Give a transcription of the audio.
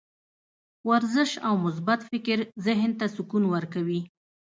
ورزش او مثبت فکر ذهن ته سکون ورکوي.